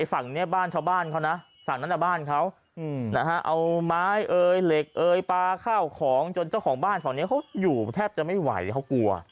ฝั่งนี้บ้านชาวบ้านเขานะฝั่งนั้นบ้านเขานะฮะเอาไม้เอ่ยเหล็กเอยปลาข้าวของจนเจ้าของบ้านฝั่งนี้เขาอยู่แทบจะไม่ไหวเขากลัว